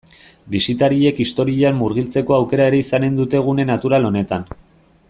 Bisitariek historian murgiltzeko aukera ere izanen dute gune natural honetan.